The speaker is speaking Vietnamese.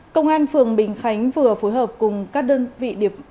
công an phường bình khánh vừa phối hợp cùng các đơn vị điệp